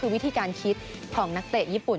คือวิธีการคิดของนักเตะญี่ปุ่น